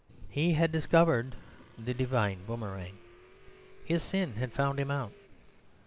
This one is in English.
He had discovered the divine boomerang; his sin had found him out.